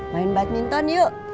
main badminton yuk